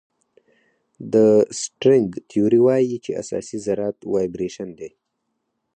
د سټرینګ تیوري وایي چې اساسي ذرات وایبریشن دي.